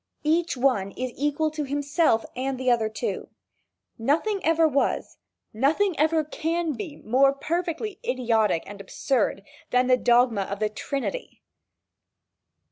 Each one is equal to himself and the other two. Nothing ever was, nothing ever can be more perfectly idiotic and absurd than the dogma of the Trinity.